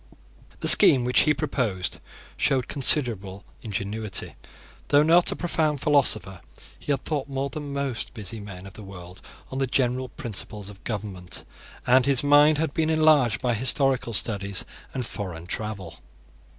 The scheme which he proposed showed considerable ingenuity. Though not a profound philosopher, he had thought more than most busy men of the world on the general principles of government; and his mind had been enlarged by historical studies and foreign travel.